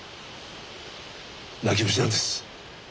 泣き虫なんです